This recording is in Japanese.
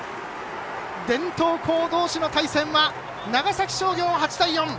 伝統校同士の対戦は長崎商業８対４！